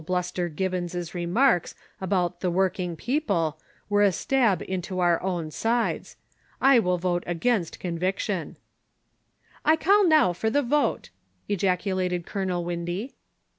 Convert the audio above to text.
Bluster Gibbons' re marks about the ' working people ' were a stab into our own sides. I will vote against conviction." *• 1 now call for the vote,'' ejaculated Colonel Windy.